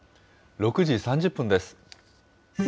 ６時３０分です。